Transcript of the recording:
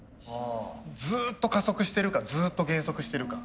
ずっと加速してるかずっと減速してるか。